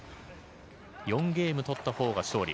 ４ゲーム取ったほうが勝利。